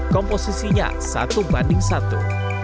komposisinya satu banding satu